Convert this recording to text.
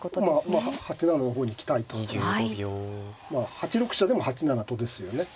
８六飛車でも８七とですよね。